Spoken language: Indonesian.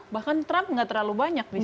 bahkan trump nggak terlalu banyak di sini